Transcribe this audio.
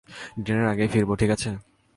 ডিনারের আগেই ফিরব, ঠিক আছে?